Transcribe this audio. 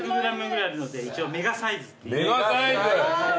メガサイズ。